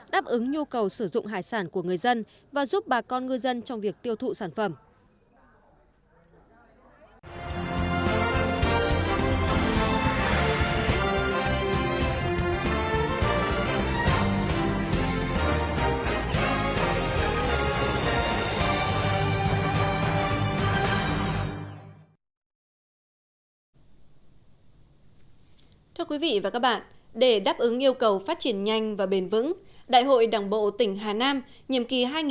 đáp ứng nhu cầu sử dụng hải sản của người dân và giúp bà con ngư dân trong việc tiêu thụ sản phẩm